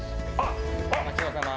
お待ちどおさま。